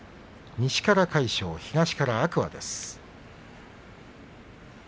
西から魁勝、東から天空海です。